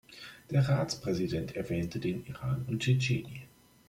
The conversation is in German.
Der Ratspräsident erwähnte den Iran und Tschetschenien.